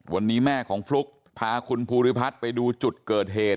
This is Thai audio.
วันนี้แม่ของฟลุ๊กพาคุณภูริพัฒน์ไปดูจุดเกิดเหตุ